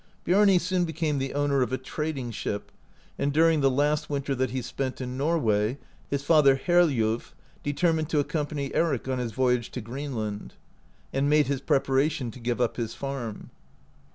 Biarni soon became the owner of a trading ship, and during the last winter that he spent in Norway, [his father] Heriulf determined to accompany Eric on his voyage to Greenland, and made his preparation to give up his farm.